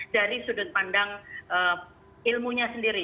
dari sudut pandang ilmunya sendiri